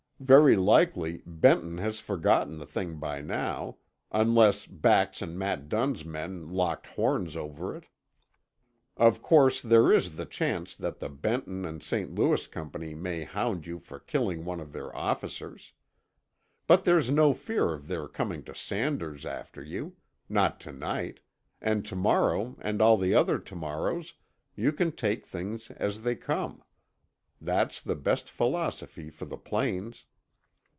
Very likely Benton has forgotten the thing by now—unless Bax and Matt Dunn's men locked horns over it. Of course there is the chance that the Benton and St. Louis Company may hound you for killing one of their officers. But there's no fear of their coming to Sanders' after you—not to night; and to morrow, and all the other to morrows, you can take things as they come. That's the best philosophy for the plains."